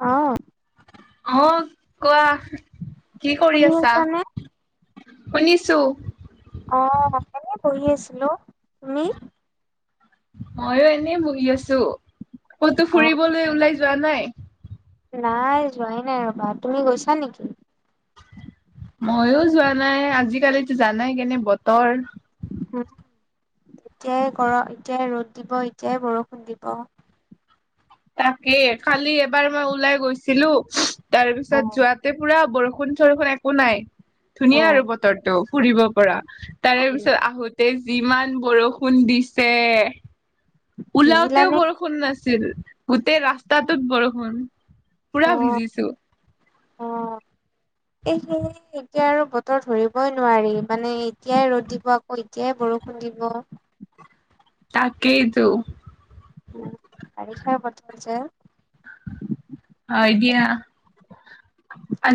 অ অহ কোৱা কি কৰি শুনি আছা আছানে? শুনিছো অ' এনে বহি আছিলো তুমি? মইও এনে বহি আছো, কতো অহ ফুৰিবলৈ ওলাই যোৱা নাই? নাই যোৱাই নাই ৰ'বা, তুমি গৈছা নেকি? ময়ো যোৱা নাই আজিকালিতো জানাই কেনে বতৰ। এতিয়াই গৰম এতিয়াই ৰ'দ দিব এতিয়াই বৰষুণ দিব। তাকে খালি এবাৰ মই ওলাই গৈছিলো, তাৰ পিছত অহ যোৱাত। ই পুৰা বৰষুণ - চৰষুণ একো নাই। ধুনীয়া অহ আৰু বতৰটো ফুৰিব পৰা, তাৰেই পিছত আহোতে। যিমান বৰষুণ দিছে। ওলাওতেও ভিজিলানে? বৰষুণ নাছিল, গোটেই ৰাস্তাতটোত বৰষুণ। পুৰা ভিজিছো। অ' এই। এতিয়া আৰু বতৰ ধৰিবই নোৱাৰি মানে এতিয়াই ৰ'দ দিব আকৌ এতিয়াই বৰষুণ দিব। তাকেইটো। উম, বাৰিষা বতৰ যে। হয় দিয়া।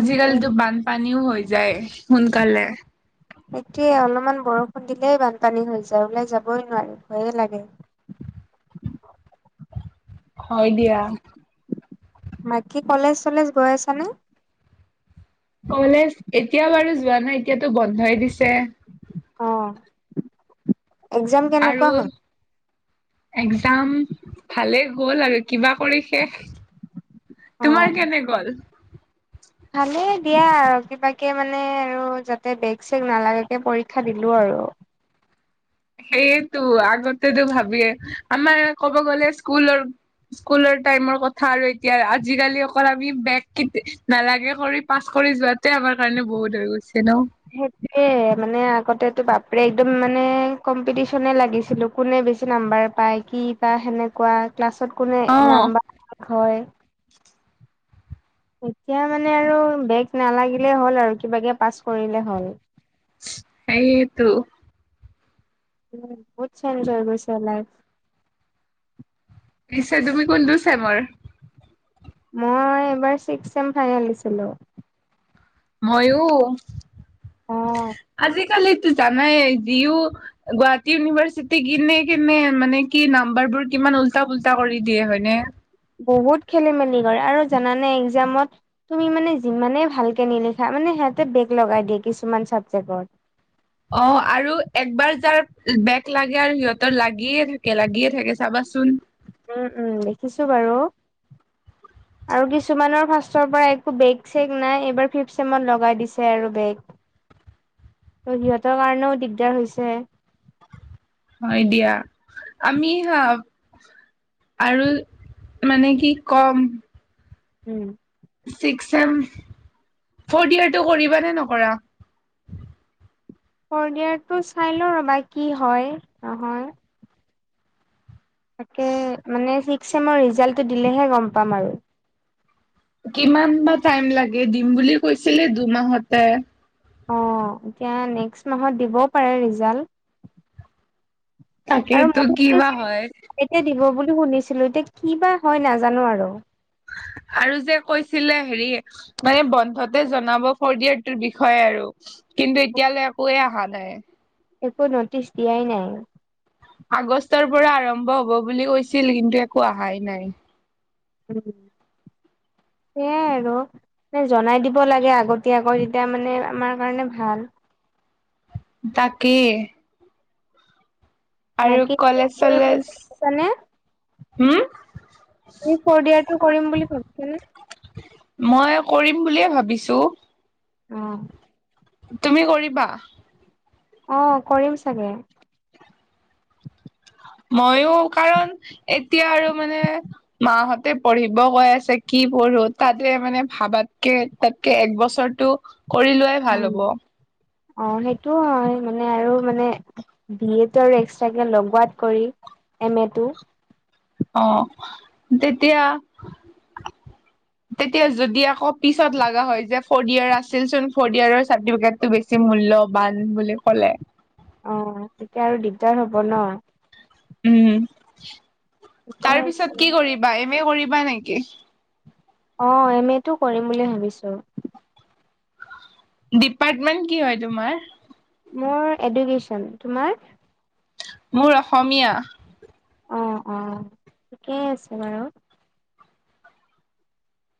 তাকে বানপানীও হৈ যায় সোনকালে। এতিয়ে অলপমান বৰষুণ দিলেই বানপানী হৈ যায় ওলাই যাবই নোৱাৰি ভয়ে লাগে। হয় দিয়া। বাকী কলেজ চলেজ গৈ আছানে? কলেজ এতিয়া বাৰু যোৱা নাই এতিয়াতো বন্ধই দিছে। অঁ। আৰু। একজাম ভালেই গ'ল আৰু কিবা কৰি শেষ। অ তোমাৰ কেনে গ'ল? ভালেই দিয়া আৰু কিবাকে মানে আৰু যাতে বেগ- চেগ নালাগাকে পৰীক্ষা দিলোঁ আৰু। সেইয়েতো আগতেতো ভাবিয়ে আমাৰ ক'ব গ'লে স্কুলৰ। স্কুলৰ টাইমৰ কথা আৰু এতিয়া আজিকালি অকল আমি বেগ কে নালাগে কৰি পাছ কৰি যোৱাত। ত আমাৰ কাৰণে বহুত হৈ গৈছে ন? সেইটোয়ে মানে আগতেতো বাপৰে একদম মানে কম্পিটিশনে লাগিছিলো। কোনে বেছি নাম্বাৰ পায়, কি পায় সেনেকুৱা ক্লাছত কোনে অ' নাম্বাৰ হয়। এতিয়া মানে আৰু বেগ নালাগিলে হ'ল আৰু কিবা কে পাছ কৰিলে হ'ল। তাকেইতো। উ বহুত চ এনজয় কৰিছে লাইফ [unintelligible] পিছে তুমি কোনটো চেমৰ? মই এইবাৰ ছিক্স এম ফাইেলিছিলো। মইও, অ আজিকালিতো জানাই যিও। গুৱাহাটী ইউনিভাৰ্চিটি কিনে কিনে মানে কি নাম্বাৰ বোৰ কিমান উল্টা পুল্টা কৰি দিয়ে হয়নে। বহুত খেলি মেলি কৰে আৰু জানানে একজাম। তুমি মানে যিমানে ভালকে নিলিখা মানে সিহঁতে বেগ লগাই দিয়ে কিছুমান চাবজেক্টত। অ' আৰু একবাৰ যাৰ বেগ লাগে আৰু সিহঁতৰ লাগিয়ে থাকে লাগিয়ে থাকে চাবাচোন। উম উম, দেখিছো বাৰু। হয়। আৰু কিছুমানৰ ফাৰ্ষ্টৰ পৰা একো বেগ চেগ নাই এইবাৰ ফিফ চেমত লগাই দিছে আৰু বেগ। [inaudible] ত' সিহঁতৰ কাৰণেও দিগদাৰ হৈছে। হয় দিয়া। আমি হা- আৰু মানে কি কম। উম। Six same. ফৰ্থ ইয়েৰটো কৰিব নে নকৰা? ফৰ্থ ইয়েৰটো চাই লওঁ ৰবা কি হয় নহয়। তাকে মানে ছিক্স চেমৰ ৰিজাল্টটো দিলেহে গম পাম আৰু। কিমান বা টাইম লাগে, দিম বুলি কৈছিলে দুমাহতে। অঁ এতিয়া নেক্সট মাহত দিবও পাৰে ৰিজাল্ট। তাকেটো কিবা হয়! এ দিব বুলি শুনিছিলো, এতিয়া কি বা হয় নাজানো আৰু। আৰু যে কৈছিলে হেৰি- মানে বন্ধতে জনাব কৈ দিয়াটো বিষয়ে আৰু। কিন্তু এতিয়ালৈ একোৱে অহা নাই। একো নটিছ দিয়াই নাই। আগষ্টৰ পৰা আৰম্ভ হব বুলি কৈছিল কিন্তু একো অহাই নাই। সেইয়াই আৰু। জনাই দিব লাগে আগতীয়াকৈ তেতিয়া মানে আমাৰ কাৰণে ভাল। তাকে। আৰু বাকী তুমি কলেজ কৰিম বুলি চলেজ। ভাবিছানে হোম- তুমি ফৰ্থ ইয়াটো কৰিম বুলি ভাবিছা নে? মই কৰিম বুলিয়ে ভাবিছো। অ। তুমি কৰিবা? অঁ কৰিম চাগে। মইয়ো কাৰণ এতিয়া আৰু মানে- মাহঁতে পঢ়িব কৈ আছে, কি পঢ়ো তাতে মানে ভাবাতকে- তাতকে এক বছৰটো কৰি লোৱাই- ভাল উম হ'ব অঁ সেইটো হয় মানে আৰু মানে- বি এটো আৰু এক্সট্ৰাকে লগোৱাত কৰি এম এ টো। অঁ তেতিয়া- তেতিয়া যদি আকৌ পিছত লগা হয় যে ফৰ্থ ইয়েৰ আছিল চোন, ফৰ্থ ইয়াৰ চাৰ্টিফিকেটটো বেছি- মূল্যৱান বুলি ক'লে। অঁ তেতিয়া আৰু দিগদাৰ হ'ব ন। উম ঠিকে তাৰ আছে। পিছত কি কৰিবা এম এ কৰিবা নেকি? অঁ এম এটো কৰিম বুলি ভাবিছো। ডিপাৰ্টমেন্ট কি হয় তোমাৰ? মোৰ এডুকেশচন তোমাৰ? মোৰ অসমীয়া। অঁ অঁ ঠিকেই আছে বাৰু।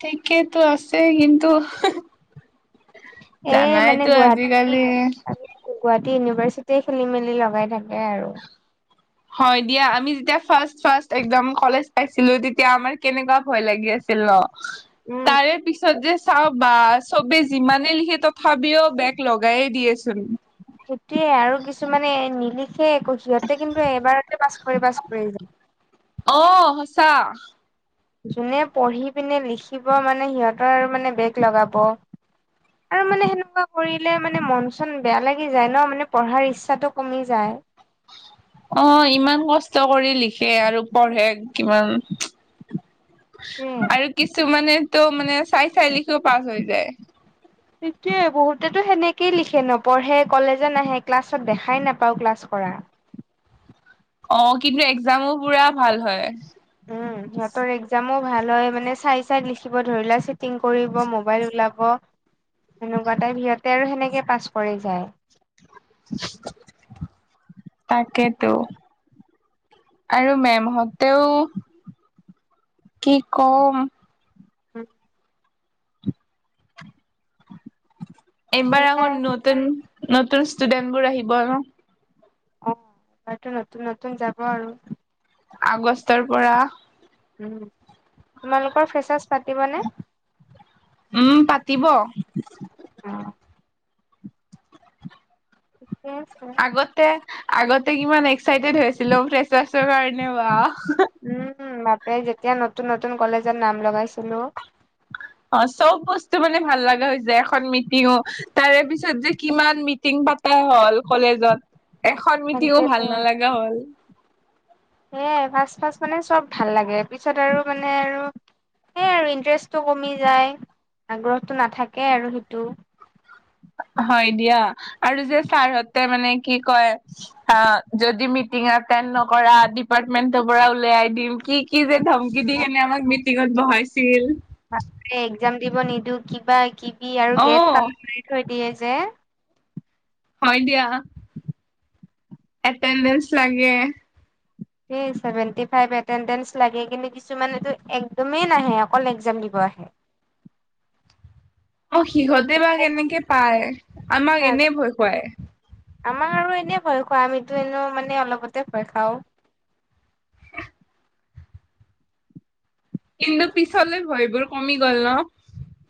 ঠিকেইেতো আছে কিন্তু- এই মানে জানাইতো গুৱাহাটী আজিকালি। গুৱাহাটী ইউনিভাৰ্চিটি খেলি মেলি লগাই থাকে আৰু। হয় দিয়া, আমি যেতিয়া ফাৰ্স্ট ফাৰ্স্ট একদম কলেজ পাইছিলো তেতিয়া আমাৰ কেনেকুৱা ভয় লাগি আছে। উম, তাৰে পিছ- চাবজেক্ট চাও বা সবে যিমানে লিখে তথাপিও বেগ লগাইে দিয়েচোন। সেইটোৱে আৰু কিছুমানে নিলিখে একো সিহঁতে কিন্তু এবাৰতে পাছ কৰি পাছ কৰি যায়। অ সঁচা। যোনে পঢ়ি পিনে লিখিব মানে সিহঁতৰ মানে বেগ লগাব। আৰু মানে সেনেকুৱা কৰিলে মানে মন চন বেয়া লাগি যায় ন, মানে পঢ়াৰ ইচ্ছাটো কমি যায়। অ ইমান কষ্ট কৰি লিখে আৰু পঢ়ে কিমান সেইটোৱে। আৰু কিছুমানে তো মানে চাই চাই লিখিও পাছ হৈ যায়। সেইটোৱে বহুতেতো সেনেকেই লিখে নপঢ়ে কলেজত নাহে ক্লাছত দেখাই নাপাও ক্লাছ কৰা। অ কিন্তু একজামো পুৰা ভাল হয়। উম সিহঁতৰ একজামো ভাল হয়, মানে চাই চাই লিখিব ধৰি লোৱা চিটিং কৰিব, মোবাইল ওলাব ব, সেনেকুৱা টাইপ সিহঁতে আৰু সেনেকে পাছ কৰি যায়। [inaudible] তাকেতো। আৰু মেম হঁতেও কি কম! [inaudible] এইবাৰ আকৌ সেইয়াই নতুন নতুন ষ্টুডেন্টবোৰ আহিব আৰু। অ এবাৰটো নতুন নতুন যাব আৰু। আগষ্টৰ পৰা উম, তোমালোকৰ ফ্ৰেচাছ পাতিবনে? উম পাতিব। ঠিকে আছে। আগতে আগতে কিমান এক্সাইটেড হৈ আছিলো ফ্ৰেচাছৰ কাৰণে বা! উম উম্ বাপৰে যেতিয়া নতুন নতুন কলেজত নাম লগাইছিলো। অ চব বস্তু মানে ভাল লগা হৈ যায় এখন মিটিঙো। তাৰেপিছত যে কিমান মিটিং পাতা হ'ল কলেজত। এখন মিটিঙো ভাল তাকেতো নালাগা হ'ল। সেয়াই ফাচ ফাচ মানে চব ভাল লাগে পিছত আৰু মানে আৰু সেই আৰু ইণ্টাৰেষ্টটো কমি যায় আগ্ৰহটো নাথাকে আৰু সেইটো। হয় দিয়া আৰু যে ছাৰহতে মানে কি কয় অ যদি মিটিং এটেণ্ড নকৰা ডিপাৰ্টমেন্টৰ পৰা উলাই দিম কি কি যে ধমকি অ, দি কেনে আমাক মিটিঙত বহাইছিল! বাপৰে একজাম দিব নিদো কিবা কিবি আৰু অ গেট তলা মাৰি থৈ দিয়ে যে। হয় দিয়া। এটেণ্ডেন্ঞ্চ লাগে। এই চেভেণ্টি ফাইভ এটেণ্ডেঞ্চ লাগে কিন্তু কিছুমানেতো একদমেই নাহে অকল এক্সাম দিব আহে। অ সিহঁতে বা কেনেকে পায়? আমাক এনেই ভয় খুৱাই। আমাৰ আৰু এনেই ভয় খোৱাই, আমিতো এনো মানে অলপতে ভয় খাওঁ। কিন্তু পিছলে ভয়বোৰ কমি গ'ল ন?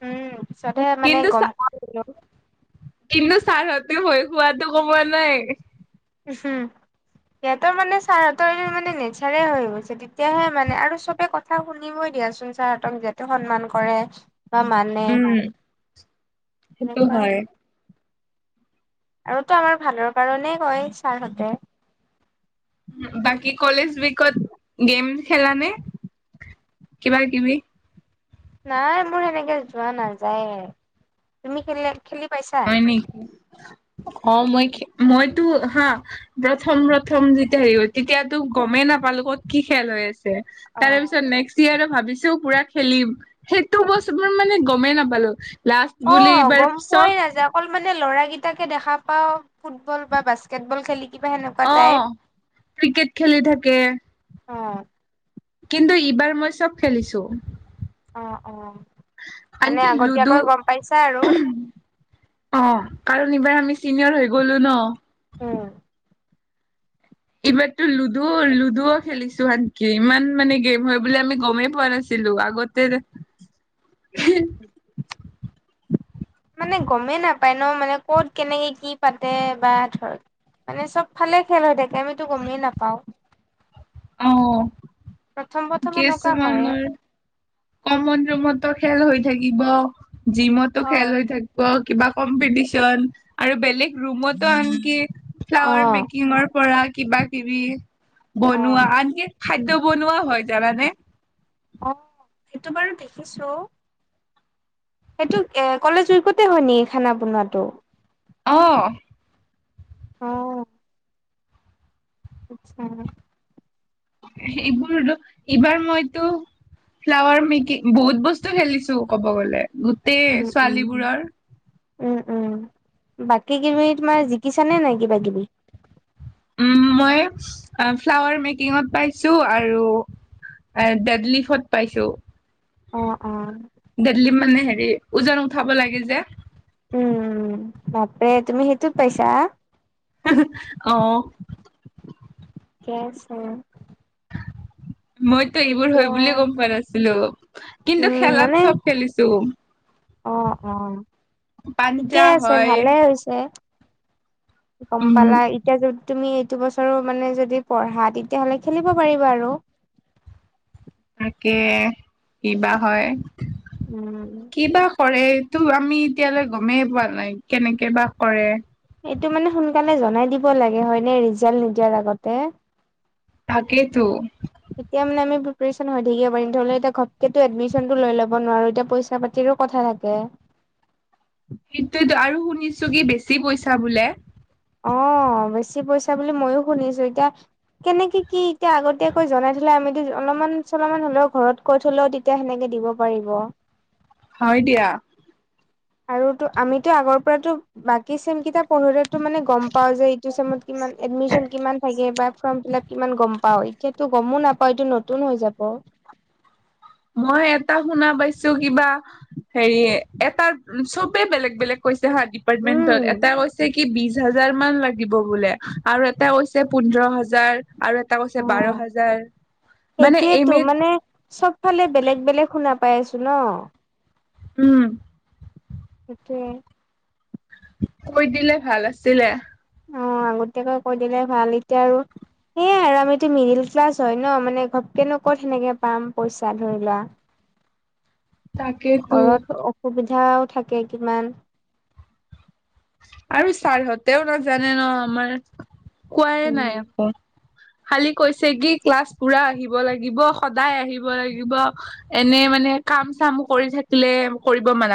উম পিছতহে মানে কিন্তু গম পোৱা হৈ গল। কিন্তু ছাৰ হঁতে ভয় খোৱাটো কমোৱা নাই। উ হুম। সিহঁতৰ মানে চাৰ হঁতৰ মানে নেচাৰে হৈ গৈছে তেতিয়াহে মানে আৰু চবে কথ কথা শুনিবই দিয়াচোন ছাৰঁতক যিহেতু সন্মান কৰে বা মান উম সেইটো এনেকুৱা। হয়। আৰুতো আমাৰ ভালৰ কাৰণেই কয়, ছাৰহঁতে। বাকী কলেজ উইকত গেম খেলানে, কিবা কিবি? নাই মোৰ সেনেকে যোৱা নাযায়, তুমি খেলি খেলি পাইছা? হয় অ, মই খে মইতো হা - প্ৰথম প্ৰথম যেতিয়া হেৰি তেতিয়া তো গমেই নাপালো ক'ত কি খেল হৈ আছে। তাৰে অ'। পিছত নেক্সট ইয়োৰ ভাবিছো পুৰা খেলিম। সেইটো বছৰো মানে গমেই নাপালো। লাষ্ট - অ গম পোৱাই নাযাওঁক। অকল মানে ল'ৰাকিটাকে দেখা পাও ফুটবল বা বাস্কেটবল খেলি - অ, ক্ৰিকেট খেলি থাকে। অ, কিন্তু এইবাৰ মই চব খেলিছো। অ, অ। মানে আনকি লুডু আগতীয়াকৈ গম পাইছা আৰু। অ, কাৰণ এইবাৰ আমি চিনিয়ৰ হৈ গলো ন। ওম এইবাৰতো লুডু লুডুও খেলিছো আনকি ইমান মানে গেম হয় বুলি আমি গমেই পোৱা নাছিলো। ছিলো আগতে - [inaudible] মানে গমেই নাপায় ন, মানে ক'ত কেনেকে কি পাতে বা ধৰক - মানে চব ফালে খেল হৈ থাকে আমিতো গমেই নাপাওঁ। অ, প্ৰথম প্ৰথম ঠিকেই আছে এনেকুৱা নে হয়ে। আমাৰ - কমন ৰুমতো খেল হৈ থাকিব, জিমত - খেল অ'। হৈ থাকিব, কিবা কম্পিটিচন আৰু বেলেগ ৰুমতো আনকি - ফ্লাৱাৰ অ', মেকিঙৰ পৰা কিবা কিবি - বনোৱা, অ', আনকি খাদ্য বনোৱা হয় জানানে? অ, সেইটো বাৰু দেখিছো। সেইটো এ কলেজ উইকতে হয় নেকি খানা বনোৱাটো? অঁ। অ। আচ্ছা। সেইবোৰ টো, এইবাৰ মইতো - ফ্লাৱাৰ মেকিং বহুত বস্তু খেলিছো ক'ব গ'লে। গোটেই উম, উম। ছোৱালীবোৰৰ ওম ওম। বাকী কিবি তোমাৰ জিকিছানে নাই কিবা কিবি? উম, মই ফ্লাৱাৰ মেকিংত পাইছো আৰু - আৰু ডেড লিফ্ত পাইছো। অ, অ। ডেডলিফ্ত মানে হেৰি ওজন উঠাব লাগে যে। উম, উম। বাপৰে তুমি সেইটোত পাইছা? অ। ঠিকেই আছে। মইতো এইবোৰ এতিয়া হয় বুলিয়ে গম পোৱা নাছিলো। কিন্তু উম, মানে খেলাত চব খেলিছো। অ অ। পাঞ্জা ঠিকেই আছে, হয় ভালেই হৈছে। চে, গম উম পালা এ - এতিয়া যদি তুমি এইটো বছৰো মানে যদি পঢ়া তেতিয়াহ'লে খেলিব পাৰিবা আৰু। তাকে কিবা হয়। উম। কিবা কৰে তটো আমি এতিয়ালৈ গমেই পোৱা নাই কেনেকে বা কৰে। এইটো মানে সোনকালে জনাই দিব লাগে হয় ন ৰিজাল্ট নিদিয়াৰ আগতে থাকেইতো এতিয়া মানে আমি পিপেইছন হৈ থাকিব পাৰিম ধৰিলা ঘপকে এডমিচনতো লৈ ল'ব নোৱাৰো এতিয়া পইচা পাতি - তিৰো কথা থাকে। সেইটো আৰু শুনিছো কি বেছি পইছা বোলে? অ বেছি পইছা বুলি ময়ো শুনিছো এতিয়া- কেনেকে কি এতিয়া আগতীয়াকৈ জনাই থলে আমিতো অলপমান চলপমান হলেও ঘৰত- কৈ থলেও তেতিয়া সেনেকে দিব পাৰিব। হয় দিয়া। আৰু টো আমিতো আগৰ পৰাতো বাকী চেম কিতাপ- পঢ়িলেতো মানে গম পাওঁ যে ই চমত কিমান এডমিশন কিমান থাকে বা ফৰ্ম ফিলাপ কিমান গম পাওঁ - এতিয়াতো গমো নাপায় এইটো নতুন হৈ যাব। মই এটা শুনা পাইছো কিবা হেৰি এটা চবে বেলেগ বেলেগ- কৈছে হা ডিপাৰ্টমেণ্টল উম এটা কৈ কি বিজ- হাজাৰ মান লাগিব বোলে আৰু এটা পোন্ধ হাজাৰ- এটা কৈছে অ বাৰ হাজাৰ, মানে সেইটোয়েতো এম- মানে চব ফালে বেলেগ বেলেগ শুনা পাই আছো ন। উম। তাকে। কৈ দিলে ভাল আছিলে। আগতিয়াকে কৈ দিলে ভাল এতিয়া আৰু- সেয়াই আৰু আমিতো মিডিল ক্লাছ হয় ন মানে ঘপকেনো ক'ত সেনেকে পাম পইচা ধৰি লোৱা- [unintelligible] তাকেতো ঘৰত অসুবিধাও থাকে কিমান। আৰু ছাৰহঁতেও নাজানে ন আমাৰ, কোৱাই উম নাই একো- খালি কৈছে কি ক্লাছ পুৰা আহিব লাগিব সদায় আহিব লাগিব- এনে মানে কাম চাম কৰি থাকিলে কৰিব মানা-